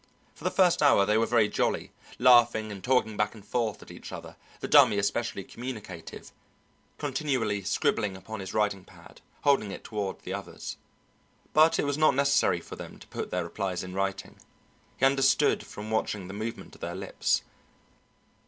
For the first hour they were very jolly, laughing and talking back and forth at each other; the Dummy especially communicative, continually scribbling upon his writing pad, holding it toward the others. But it was not necessary for them to put their replies in writing he understood from watching the movement of their lips.